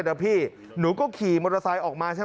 ทำไมคงคืนเขาว่าทำไมคงคืนเขาว่า